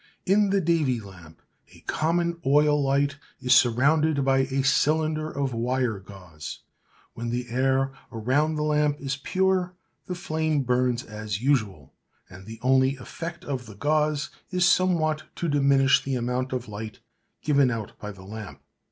In the Davy lamp a common oil light is surrounded by a cylinder of wire gauze. When the air around the lamp is pure the flame burns as usual, and the only effect of the gauze is somewhat to diminish the amount of light given out by the lamp.